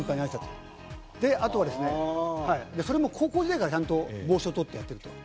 で、あとは、それも高校時代からちゃんと帽子を取ってやっている。